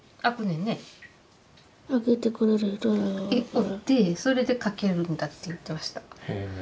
おってそれで描けるんだって言ってました。